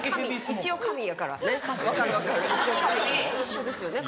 一緒ですよね